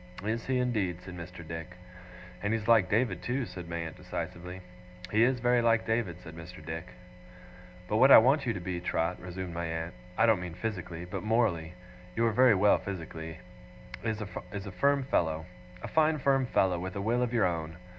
'Is he indeed?' said Mr. Dick. 'And he's like David, too,' said my aunt, decisively. 'He is very like David!' said Mr. Dick. 'But what I want you to be, Trot,' resumed my aunt, ' I don't mean physically, but morally; you are very well physically is, a firm fellow. A fine firm fellow, with a will of your own.